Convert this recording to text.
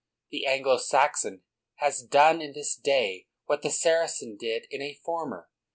The Anglo Saxon has done in this day what the Saracen did in a former.